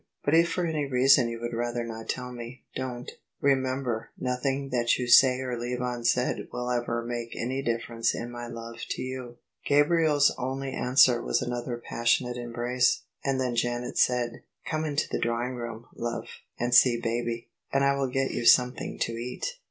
But if for any reason you would rather not tell me, don't. Remem ber nothing that you say or leave unsaid will ever make any diflFerence in my love to you." OF ISABEL CARNABY Gabriel's only answer was another passionate embrace: and then Janet said, " Come into the drawing room, love, and see baby; and I will get you something to eat."